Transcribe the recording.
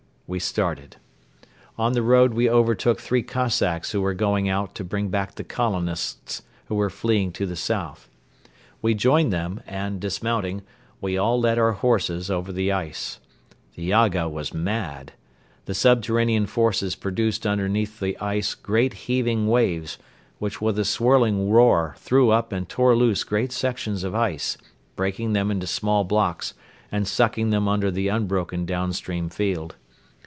We started. On the road we overtook three Cossacks who were going out to bring back the colonists who were fleeing to the south. We joined them and, dismounting, we all led our horses over the ice. The Yaga was mad. The subterranean forces produced underneath the ice great heaving waves which with a swirling roar threw up and tore loose great sections of ice, breaking them into small blocks and sucking them under the unbroken downstream field.